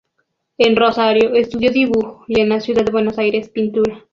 En Rosario estudió dibujo y en la ciudad de Buenos Aires pintura.